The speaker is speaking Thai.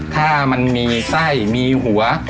ถ้ามันมีไส้มีหัว